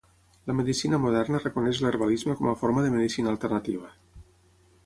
La medicina moderna reconeix l'herbalisme com a forma de medicina alternativa.